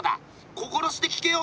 心して聞けよ。